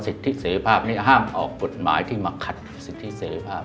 สิทธิเสรีภาพนี้ห้ามออกกฎหมายที่มาขัดสิทธิเสรีภาพ